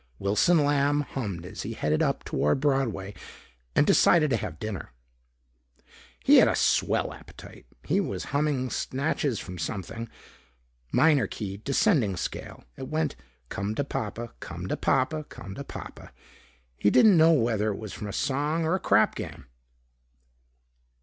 Wilson Lamb hummed as he headed up toward Broadway and decided to have dinner. He had a swell appetite. He was humming snatches from something. Minor key, descending scale. It went "Come to Papa, come to Papa, come to Papa." He didn't know whether it was from a song or a crap game.